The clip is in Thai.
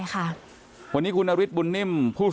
ควันนี้กุนบุนนิ่มพูดสื่อข่าว